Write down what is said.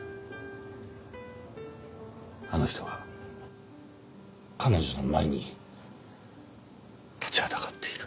あの人が彼女の前に立ちはだかっている。